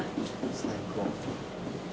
最高。